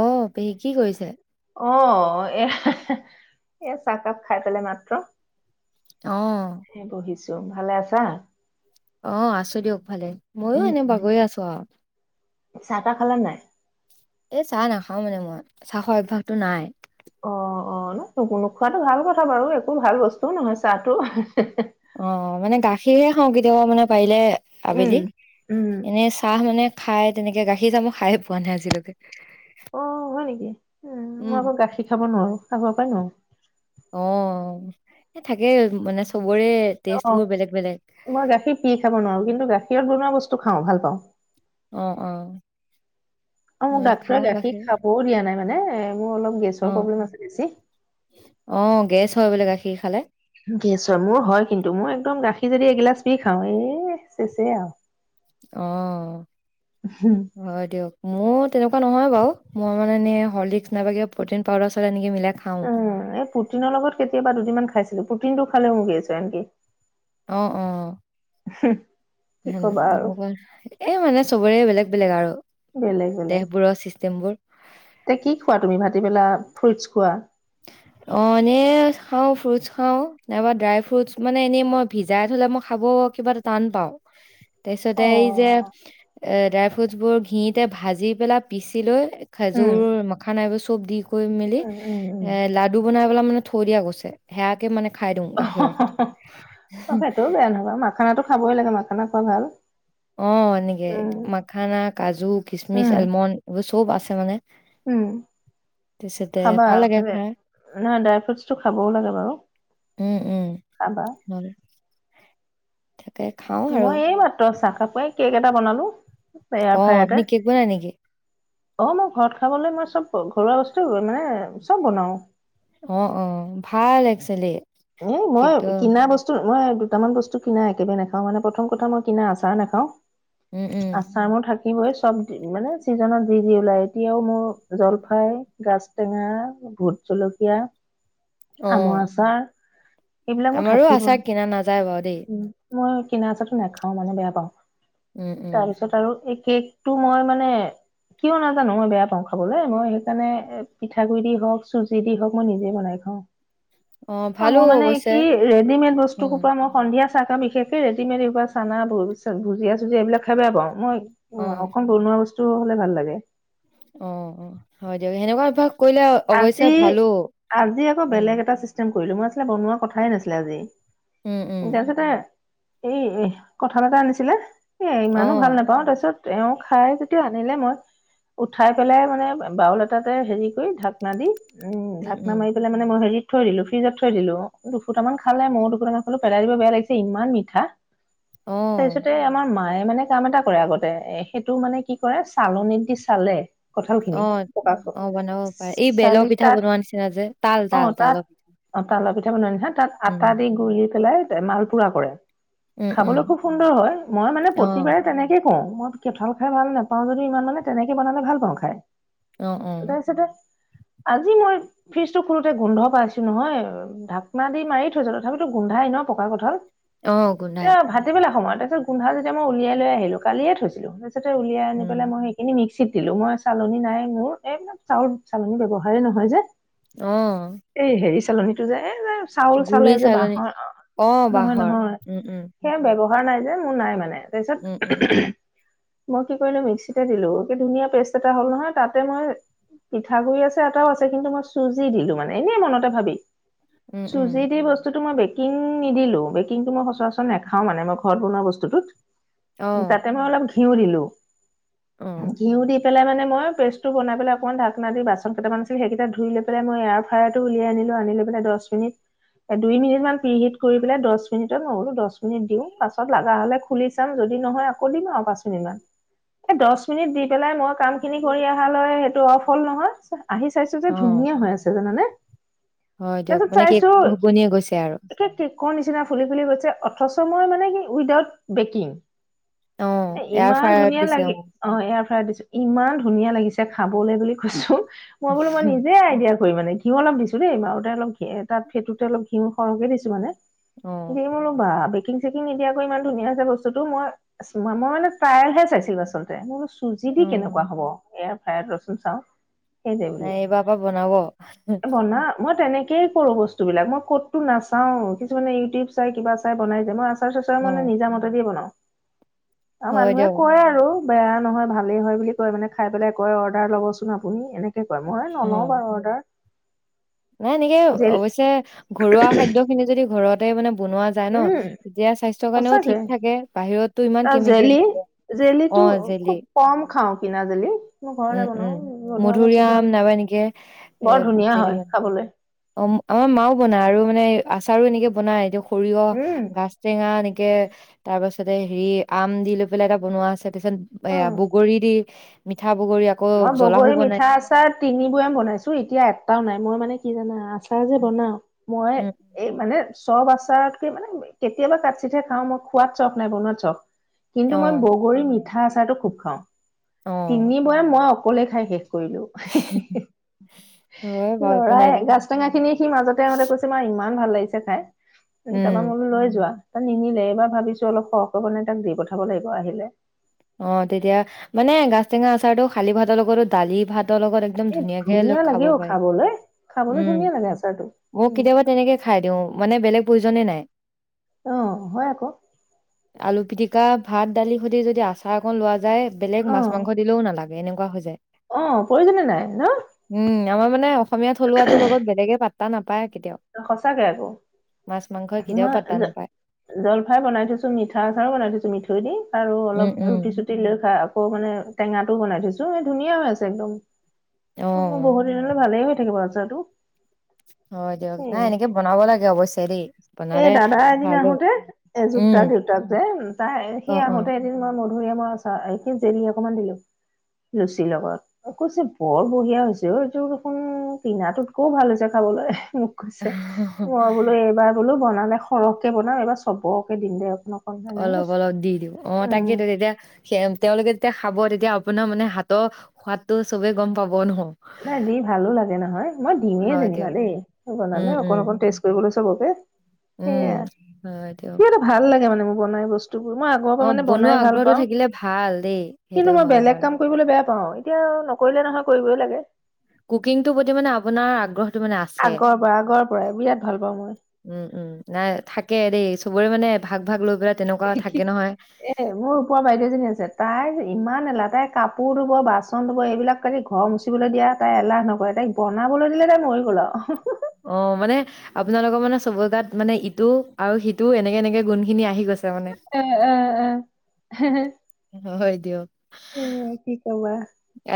অ', পেহী কি কৰিছে? অ', এ, হে, চাহকাপ খাই পালেই মাত্ৰ অ'। এই বহিছোঁ ভালে আছা। অ', আছোঁ দিয়ক ভালে, মইও এনে বাগৰি আছোঁ আও। চাহ-তাহ খাল নাই? এ, চাহ নাখাওঁ মানে মই, চাহ খোৱাৰ অভ্যাসটো নাই। অ', অ', ন, নোখোৱাটো ভাল কথা বাৰু একো ভাল বস্তুও নহয় চাহটো। অ', মানে গাখীৰহে খাওঁ কেতিয়াবা মানে পাৰিলে উম আবেলি, উম এনেই চাহ মানে খাই তেনেকে গাখীৰ চাহ ম‌ই খাইয়েই পোৱা নাই আজিলৈকে। অ', হয় নেকি, অ', মই উম। আকৌ গাখীৰ খাব নোৱাৰোঁ, আগৰ পৰাই নোৱাৰোঁ। অ', এ, থাকেই মানে চবৰে অ টেষ্ট বোৰ বেলেগ বেলেগ। মই গাখীৰ পি খাব নোৱাৰোঁ, কিন্তু গাখীৰত বনোৱা বস্তু খাওঁ, ভাল পাওঁ। অ', অ', অ', মোক মই ডাক্তৰে খাওঁ গাখীৰ খাবওঁ দিয়া নাই মানে মোৰ অলপ গেছৰ অ', প্ৰব্লেম আছে বেছি। অ', গেছ হয় বোলে গাখীৰ খালে? গেছ হয়‌, মোৰ হয় কিন্তু, মই একদম গাখীৰ যদি এগিলাচ পি খাওঁ এ, চেছেই আও। অ', হয় দিয়ক। মোৰ তেনেকুৱা নহয় বাৰু। মই মানে এনে হৰ্লিক্স নাইবা কিবা প্ৰটিন পাউডাৰ-চাউদাৰ এনেকে মিলাই খা অ', এই প্ৰটিনৰ লগত কেইয়াবা দুদিন মান খাইছিলোঁ। প্ৰতিনটো খালেও মোৰ গেছ হয় আনকি। অ', অ'। [inaudible] হে, কবা আৰু মোৰ অকণমান, এই মানে চবৰে বেলেগ বেলেগ আৰু। বেলেগ বেলেগ। দেহবোৰৰ চিষ্টেমবোৰ এতিয়া কি খোৱা তুমি ভাতি বেলা ফ্ৰুইটচ খোৱা? [inaudible] অ', এনে খাও ফ্ৰুটছ খাও, নাইবা ড্ৰাই ফ্ৰুটছ, মানে এনেই মই ভিজাই থ'লে মই খাব কিবা এটা টান পাওঁ। তাৰ অ পিছতে এই যে এ, ড্ৰাই ফ্ৰুটছ বোৰ ঘিতে ভাজি পেলাই পিচি লৈ উম খাজুৰ মাখানা এইবোৰ চ'ব দি কৰি মেলি উম উম উম এ, লাডু বনাই পেলাই মানে থৈ দিয়া গৈছে। সেয়াকে মানে খাই দিওঁ গাখীৰ সতি। [inaudible] [unintelligible] খাবই লাগে মাখানা খোৱা ভাল। অ, এনেকে উম মাখানা, কাজু, কিচমিচ, উম আলমণ্ড এইবোৰ চ'ব আছে মানে। উম'। তাৰপিছতে খাবা, ভাল লাগে মানে খাই। নহয় ড্ৰাই ফ্ৰুটচটো খাবও লাগে বাৰু। উম, উম, খাবা। হয়। তাকে খাওঁ আৰু। মই এই মাত্ৰ চাহ কাপ এ, কেক এটা বনালোঁ। অ', আপুনি কেক বনাই নেকি? অ', মই ঘৰত খাবলে মই চ'ব কৰো, ঘৰুৱা বস্তু মানে চ'ব বনাও। অ', অ', ভাল একচুৱেলি। এ মই কেকটো। কিনা বচ মই দুটামান বস্তু কিনা একেবাৰে নাখাও, মানে প্ৰথম কথা মই কিনা আচাৰ নাখাও। উম, উম [unintelligible] মোৰ থাকিবই চব মানে চিজনত যি যি ওলাই এতিয়াও মোৰ জলফাই গাজ টেঙা, ভোট জলকীয়া [inaudible] আমৰ আচাৰ এইবিলাক মোৰ আমাৰো থাকিবই আচাৰ কিনা নাযায় বাৰু দেই। উম, মই কিনা আচাৰটো নাখাও মানে বেয়া পাও, উম, উম, তাৰপিছত আৰু এই কেক টো মই মানে কিয় নাজানো মই বেয়া পাওঁ খাবলৈ, মই সেইকাৰণে পিঠাগুড়ি দি হওক চুজি দি হওক মই নিজে বনাই খাওঁ। অ', ভালো মই মানে অৱশ্যে। কি ৰেডিমেড বস্তু উম, সোপা মই সন্ধিয়া চাহ কাম বিশেষকে ৰেডিমেড এইবাৰ চানা ভুজিয়া চুজিয়া এইবিলাক খাই বেয়া পাও মই অ', উম, অকন বনোৱা বস্তু হলে ভাল লাগে। অ', অ', হয় দিয়ক সেনেকুৱা অভ্যাস কৰিলে অৱশ্যে আজি ভালো আজি আকৌ উম, [unintelligible] কৰিলো মই আছলতে বনোৱা কথাই নাছিলে আজি, উম, উম, তাৰপিছতে উম, উম, কঁঠাল এটা আনিছিলে এ ইমানো ভাল অ', নাপাও তাৰপিছত তেওঁ খাই যেতিয়া আনিলে মই উঠাই পেলাই মানে বাউল এটাতে হেৰি কৰি ঢাকনা দি উম, ঢাকনা মাৰি পেলাই মানে মই হেৰিত থৈ দিলো, ফ্ৰিজত থৈ দিলো, দুফুটা মান খালে ময়ো দুফুটামান খালো পেলাই দিব বেয়া লাগিছে ইমান মিঠা [inaudible] তাৰ পিছতে আমাৰ মায়ে মানে কাম এটা কৰে আগতে এ সেইটো মানে কি কৰে চালনিত দি চালে। কঁঠাল অ খিনি পকাটো অ বনাব পাৰে, এই বেলৰ চালি পিঠা তাত বনোৱা নিচিনা যে তাল অ তাল তাত তালৰ অ', তালৰ পিঠা বনোৱা নিচিনা তাত আটা উম দি গুৰ দি পেলাই মাল পুৰা কৰে উম উম খাবলৈ খুব সুন্দৰ হয়, মই মানে অ প্ৰতিবাৰে তেনেকে কওঁ, মই কেঠল খাই ভাল নাপাও যদি ইমান মানে তেনেকে বনালে ভাল পাওঁ খাই। অ', অ', তাৰপিছতে আজি মই ফ্ৰিজটো খোলোতে গোন্ধ পাইছো নহয়। ঢাকনা দি মাৰি থৈছো তথাপিতো গোন্ধাই ন' পকা কঁঠাল। অ গোন্ধাই এয়া ভাতিবেলা সময়ত তাৰপিছত গোন্ধাল যেতিয়া মই উলিয়াই লৈ আহিলো কালিয়ে থৈছিলো তাৰপিছতে উলিয়াই আনি উম পেলাই মই সেইখিনি মিক্সিত দিলো, মই চালনী নাই মোৰ, এইবিলাক চাউল চালনী ব্যৱহাৰেই নহয় যে অ', এই হেৰি চালনীটো যে, এই যে চাউল চালে গুৰি যে চালনী বাঁহৰ অ নহয় বাঁহৰ নহয় উম উম সেই ব্যৱহাৰ নাই যে মোৰ নাই মানে উম উম তাৰপিছত মই কি কৰিলো মিক্সিতে দিলো কি ধুনীয়া পেষ্ট এটা হ'ল নহয় তাতে মই পিঠাগুড়ি আছে আটাও আছে কিন্তু মই চুজি দিলো মানে এনেই মনতে ভাবি, উম উম চুজি দি বচ বস্তুটো মই বেকিং নিদিলো বেকিংটো মই সচৰাচৰ নেখাও মানে মই ঘৰত বনোৱা বস্তুটোত অ তাতে মই অলপ ঘিউ দিলো, অ ঘিউ দি পেলাই মানে মই পেষ্ট টো বনাই পেলাই অকণমান ঢাক না দি বাচন কেইটামান আছিল সেইকেইটা ধুই লৈ পেলাই মই এয়াৰ ফ্ৰায়াৰটো উলিয়াই আনিলো আনি লৈ পেলাই দচ মিনিট এ দুই মিনিট মান প্ৰিহিট কৰি পেলাই দচ মিনিটত মইবোলো দচ মিনিট দিওঁ পাছত লাগা হলে খুলি চাম যদি নহয় আকৌ দিম আৰু পাঁচমিনিটমান, এ দচমিনিট দি পেলাই মই কাম খিনি কৰি অহালৈ সেইটো অফ হ'ল নহয় আহি চাইছো যে অ ধুনীয়া হৈ আছে জানানে? হয় দিয়ক, তাৰপিছত মানে কি চাইছো শুবনিয়ে গৈছে আৰু। একে কেকৰ নিচিনা ফুলি ফুলি গৈছে, অথচ মই মানে কি উইদাউট বেকিং। অ এ এয়াৰ ইমান ফ্ৰায়াৰত ধুনীয়া দিছে লাগি অ এয়াৰফ্ৰায়াৰত দিছো, ইমান ধুনীয়া লাগিছে খাবলে বুলি কৈছো, মই বোলো মই নিজে আইডিয়া কৰি মানে ঘিউ অলপ দিছো দেই, মাৰোতে অলপ ঘি তাত ফেটোতে অলপ ঘিউ সৰহকে দিছো মানে। অ দিম ৰবা বেকিং চেকিং নিদিয়াকৈ ইমান ধুনীয়া হৈছে বস্তুটো, মই মই মানে ট্ৰাইলহে চাইছিলো আচলতে, মোৰ চুজি দি কেনেকুৱা অ হ'ব, এয়াৰ ফ্ৰায়াৰত ৰচোন চাওঁ। সেইটোৱে বুলি, এইবাৰ পৰা বনাব এ বনা মই তেনে কে কৰো বস্তুবিলাক মই ক'তো নাচাও, কিছুমানে ইউটিউব চাই কিবা চাই বনাই যে, মই পেছাৰ, চেঁচাৰ অ মানে নিজা মতে দি বনাও, আৰু হয় মানুহে দিয়ক কয় আৰু বেয়া নহয় ভালেই হয় বুলি কয় মানে খাই পেলাই কয়, অৰ্ডাৰ ল'বচোন আপুনি এনে কে কয় মই নলওঁ অ বাৰু অৰ্ডাৰ। [inaudible] নাই এনেকে, জেল অৱশ্যে ঘৰুৱা খাদ্যখিনি যদি ঘৰতে মানে বনোৱা যায় ন। উম তেতিয়া স্বাস্থ্যৰ কাৰণেও সঁচাকে ঠিক থাকে, বাহিৰতটো ইমান তাৰ কেমিকেল জেলি দিয়ে, জেলিটো অ খুব জেলি। কম খাওঁ কিনা জেলি, মই ঘৰতে উম বনাও। উম মধুআমৰ মধুৰিআম ছিজন নাইবা এনেকে এ বৰ ধুনীয়া জেলি হয় বনাও। খাবলৈ অ আমাৰ মাও বনায় আৰু মানে আচাৰো এনেকে বনাই এ সৰিয়হ, উম গাজ টেঙা এনেকে তাৰ পাছতে হেৰি, আম দি লৈ পেলাই এটা বনোৱা আছে। তাৰপিছত এ উম বগৰী দি, মিঠা বগৰী আক মই বগৰী মিঠা আচাৰ তিনিবয়াম বনাইছো, এতিয়া এটাও নাই, মই মানে কি জানা আ আচাৰ যে বনাও, মই উম এই মানে চব আচাৰতকে মানে কেতিয়াবা কাটচিটহে খাওঁ, মই খোৱাত চখ নাই বনোৱাত চখ। অ কিন্তু মই বগৰী মিঠা আচাৰটো খুব খাওঁ, অ তিনি মই বৈয়াম অকলে খাই শেষ কৰি দিওঁ। হি' হি' হি' হয় বাৰু একো নাই লৰাই গাছ টেঙাখিনি সি মাজতে মানে কৈছে তোমাৰ ইমান ভাল লাগিছে চাই, তাপা উম মই বোলো লৈ যোৱা। নিনিলে, এইবাৰ ভাবিছো অলপ সৰহকে বনাই তাক দি পঠাব লাগিব, আহিলে। অ তেতিয়া মানে গাজ টেঙা আচাৰটো খালী ভাতৰ লগতো, দালি ভাতৰ লগত একদম এই ধুনীয়াকে লৈ ধুনীয়া লাগে খাব অ পাৰে, খাবলৈ খাবলৈ উম ধুনীয়া লাগে আচাৰটো ময়ো উম কেতিয়াবা তেনেকে খাই দিওঁ, মানে বেলেগ প্ৰয়োজনে নাই। অ হয় আক। আলু পিটিকা, ভাত, দালিৰ সৈতে যদি আচাৰ অকন লোৱা যায়। বেলেগ অ মাছ, মাংস দিলেও নালাগে এনেকুৱা হৈ যায়। অ প্ৰয়োজনে নাই ন? উম 'আমাৰ মানে অসমীয়া থলুৱাটোৰ লগত বেলেগে পাত্তা নাপায় কেতিয়াও। সঁচাকে আক মাছ মাংসই কেতিয়াও মই পাত্তা জ নাপায় জলফাই বনাই থৈছো, মিঠা আচাৰো বনাই থৈছো, মিঠৈ দি আৰু উম অলপ উম ৰুটি চুটি লৈ খাই, আকৌ মানে টেঙাটোও বনাই থৈছো, এ ধুনীয়া হৈ আছে একদম। অ বহুত দিনলে ভালেই হৈ থাকিব আচাৰটো। হয় দিয়ক, নাই এনেকে বনাব লাগে অৱশ্যে। দেই এ বনালে দাদা এদিন ভালো আহোতে, এযুত তাৰ উম দেউতাক যায়, তাই অ সি আহোতে মই মধুৰিআমৰ আচাৰ, এ কি জেলি অকনমান দিলো। লুচি লগত, কৈছে বৰ বঢ়িয়া হৈছে অ, এইটো দেখোন উম কিনাটোকৈও ভাল হৈছে খাবলৈ কৈছে অ মই বোলো এইবাৰ বোলো বনালে সৰহকে বনাম এইবাৰ চবকে দিম দেই অলপ অলপ দি দিব অ, তাকেইেতো তেতিয়া সেয়া তেওঁলোকে যেতিয়া খাব তেতিয়া আপোনাৰ মানে হাতৰ সোৱাদটো চবে গম পাব নহয। নাই দি ভালো লাগে নহয়। মই দিমেই হয় যেনিবা দিয়ক দেই বনালে উম উম অকণ অকণ টেষ্ট কৰিবলৈ চবকে। উম সেয়া হয় দিয়ক। কিবা এটা ভাল লাগে মানে মো বনাই বস্তু টো বো মই আগৰ পৰা অ মানে বনোৱা বনাই ভাল আগ্ৰহটো পাওঁ। থাকিলে ভাল দেই সেইটো কিন্তু মই হয় বেলেগ বাৰু কাম কৰিবলে বেয়া পাওঁ এতিয়া নকৰিলে নহয় কৰিবই লাগে। কুকিংটো প্ৰতি মানে আপোনাৰ আগ্ৰহ আগৰ পৰা আগৰ পৰাই বিৰাট ভাল পাওঁ মই। উম, উম নাই থাকে দেই চবৰে মানে ভাগ ভাগ লৈ পেলাই তেনেকুৱা কি থাকে নহয়। এ মোৰ ওপৰ বাইদেউ এজনী আছে তাই ইমান এলাহ তাই কাপোৰ ধুব, বাচন ধুব এইবিলাক ঘৰ মুচিবলৈ দিয়া তাই এলাহ নকৰে তাইক বনাবলৈ দিলে তাই মৰি গ'ল আও অ, মানে আপোনালোকৰ মানে চবই গাত মানে ইটো আৰু সিটোও এনেকে, এনেকে গুণ খিনি আহি গৈছে মানে। এ এ এ হয় দিওক উম কি কবা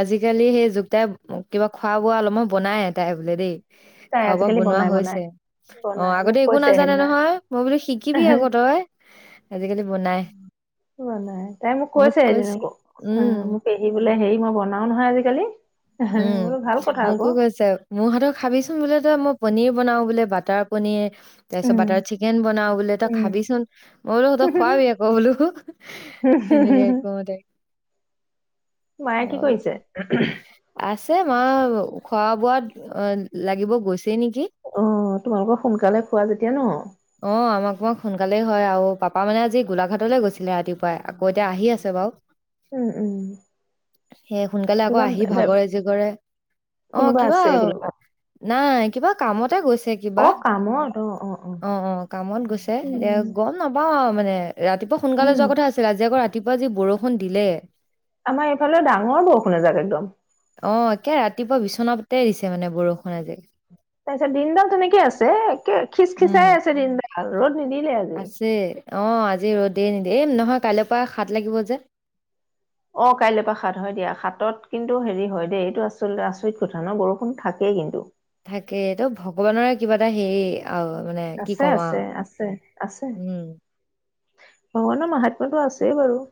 আজিকালি সেই যু তাই কিবা খোৱা-বোৱা অলপমান বনাই তাই বোলে দেই। তাই খোৱা - বোৱা আজিকালি বনোৱা বনাই বনাই হৈছে। অ, বনাই আগতে মোক একো কৈছে নাজানে সেইদিনা নহয় মই বোলো শিকিবি আগ তই। আজিকালি বনাই কোৱা নাই, তাই মোক কৈছে এদিন আকৌ অ উম মোক পেহী বোলে হেৰি মই বনাও নহয় আজিকালি উম বোলো ভাল কথা আকৌ মোকো কৈছে মোৰ হাতৰ খাবিচোন বোলে তই মই পনিৰ বনাও বোলে বাটাৰ পনিৰ তাৰপিছত উম বাটাৰ চিকেন বনাও বোলে তই উম খাবিচোন মই বোলো তই খোৱাবি আকৌ বোলো। হেনেকে কওঁতে মায়ে কি কৰিছে? আছে মা খোৱা-বোৱাত অ লাগিব গৈছেই নেকি। অ তোমালোকৰ সোনকালে খোৱা যেতিয়া ন। অ আমাক মই সোনকালেই হয় আৰু পাপা মানে আজি গোলাঘাটলৈ গৈছিলে ৰাতিপুৱাই আকৌ এতিয়া আহি আছে বাঅ। [inaudible] উম উম। সেই সোনকালে আকৌ কিবা আহি বে- বে- ভাগৰে জিগৰে অ কোনোবা কিবা আছে গোলাঘাট নাই কিবা কামতে গৈছে। অ কিবা কামত অ অ অ অ কামত গৈছে এতিয়া উম, গম নাপাও আও মানে ৰাতিপুৱা সোনকালে উম যোৱা কথা আছে। আজি আকৌ ৰাতিপুৱা যি বৰষুণ দিলে। আমাৰ এইফালেও ডাঙৰ বৰষুণ এজাক একদম অ একে ৰাতিপুৱা বিচনাতে দিছে মানে বৰষুণ আজি তাৰপিছত দিনডাল তেনেকে আছে একে উম খিচখিচাই আছে দিনডাল ৰ'দ নিদিলে আৰু আছে অ আজি ৰ'দেই নিদিয়ে এই নহয় কাইলৈৰ পৰা সাত লাগিব যে অ কাইলৈৰ পৰা হাত হয় দিয়া। হাতত কিন্তু হেৰি হয় দেই এইটো আচল আচৰিত কথা ন বৰষুণ থাকেই কিন্তু থাকেই এইতো ভগৱানৰে কিবা এটা হেই অ মানে কি আছে, ক'ম আছে, আৰু আছে, আছে। উম ভগৱানৰ মহাত্মাটো আছেই বাৰু।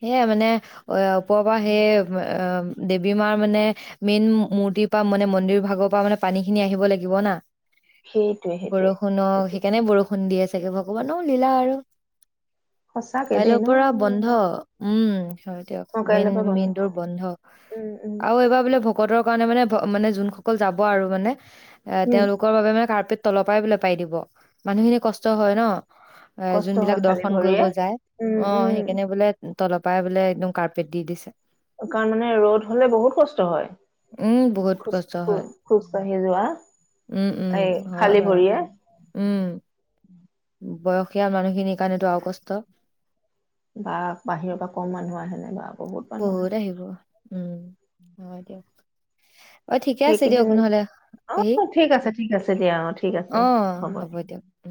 সেয়ে মানে অ' ওপৰৰ পৰা, সেই এই দেৱী মাৰ মানে মেইন মূ-মূৰ্তিৰ পৰা মানে মন্দিৰ ভাগৰ পৰা মানে পানী খিনি আহিব লাগিব না। সেইটোৱে, সেইটোৱে, বৰষুণক সেইটোৱে সেইকাৰণে বৰষুণ ষুণ দিয়ে চাগে, ভগৱানও লীলা আৰু সঁচাকে দেই কাইলৈৰ ন। পৰা বন্ধ। উম হয় দিয়ক, অ', মেইন কাইলৈৰ পৰা বন্ধ মেইন তোৰ বন্ধ উম, উম, আৰু এইবাৰ বোলে ভগ ভকতৰ কাৰণে মানে, মানে যোনসকল যাব আৰু মানে, উম। তেওঁলোক কৰ বাবে মানে কাৰ্পেট তলৰ পৰাই বোলে পাৰি দিব, মানুহখিনি কষ্ট হয় ন এ কষ্ট হয় যোনবিলাক খালী দৰ্শন কৰিব ভৰিৰে। যায়, উম অ' সেইকাৰণে উম। বোলে তলৰ পৰাই বোলে, একদম কাৰ্পেট দি দিছে। কাৰণ মানে ৰ'দ হ'লে বহুত কষ্ট হয়। উম বহুত খোজ কষ্ট খো, হয় খোজ কঢ়ি যোৱা। উম, উম, এই হয় খালী বাৰু। ভৰিয়ে। উম। বয়সীয়াল মানুহখিনিৰ কাৰণেটো আৰু কষ্ট। বা, বাহিৰৰ পৰা কম মানুহ আহেনে বা। মানুহ আহে। বহুত আহিব উম, হয় দিয়ক। অ' ঠিকে আছে দিয়ক সেইকেইদিন নহ'লে অ পেহী, ঠিক আছে ঠিক আছে দিয়া অ ঠিক আছে অ' হ'ব দিয়ক। উম।